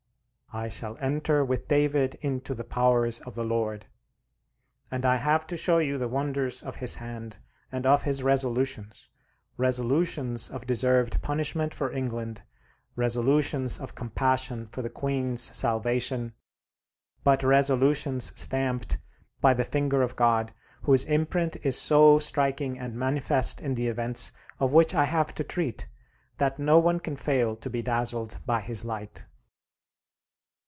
"I shall enter with David into the powers of the Lord," and I have to show you the wonders of his hand and of his resolutions: resolutions of deserved punishment for England, resolutions of compassion for the Queen's salvation; but resolutions stamped by the finger of God, whose imprint is so striking and manifest in the events of which I have to treat, that no one can fail to be dazzled by his light.